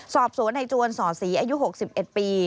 สอบสวนไอ้จวนสศรีอายุ๖๑ปี